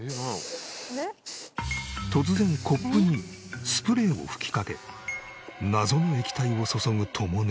突然コップにスプレーを吹きかけ謎の液体を注ぐとも姉。